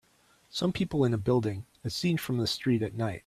Some people in building as seen from the street at night.